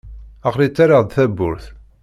Aql-i ttarraɣ-d tawwurt.